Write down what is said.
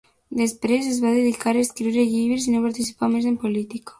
Després es va dedicar a escriure llibres i no participà més en política.